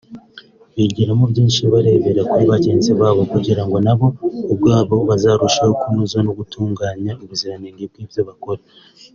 bigiramo byinshi barebera kuri bagenzi babo kugirango na bo ubwabo bazarusheho kunoza no gutunganya ubuziranenge bw’ibyo bakora